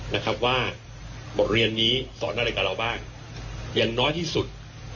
นะครับว่าบทเรียนนี้สอนอะไรกับเราบ้างอย่างน้อยที่สุด